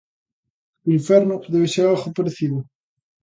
O inferno debe ser algo parecido.